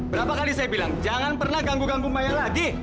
berapa kali saya bilang jangan pernah ganggu ganggu maya lagi